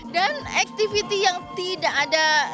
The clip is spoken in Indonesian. dan activity yang tidak ada